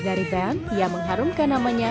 dari band yang mengharumkan namanya